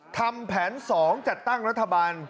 ทำแผน๒จัดตั้งรัฐบาล